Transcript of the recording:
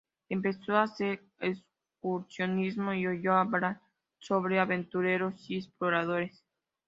Empezó a hacer excursionismo y oyó hablar sobre aventureros y exploradores.